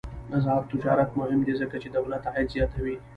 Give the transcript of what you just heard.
آزاد تجارت مهم دی ځکه چې دولت عاید زیاتوي.